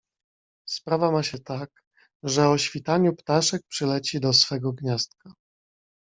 "Sprawa ma się tak, że o świtaniu ptaszek przyleci do swego gniazdka."